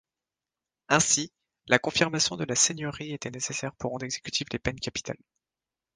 Ainsi, la confirmation de la Seigneurie était nécessaire pour rendre exécutives les peines capitales.